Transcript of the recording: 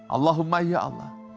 allahumma ya allah